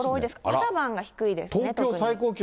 朝晩が低いですね、特に。